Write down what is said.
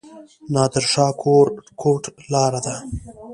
نادر شاه کوټ لاره ده؟